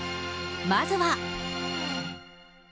まずは。